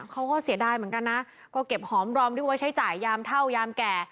เขาก็เสียดายเหมือนกันนะก็เก็บหอมรอมที่ไว้ใช้จ่ายยามเท่ายามแก่